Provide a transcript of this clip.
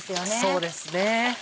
そうですね。